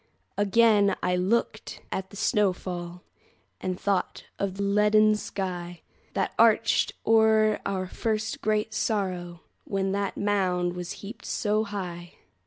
Again I looked at the snow fall, And thought of the leaden skyThat arched o'er our first great sorrow, When that mound was heaped so high.